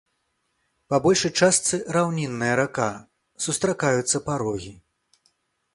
Па большай частцы раўнінная рака, сустракаюцца парогі.